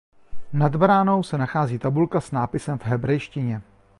Nad bránou se nachází tabulka s nápisem v hebrejštině.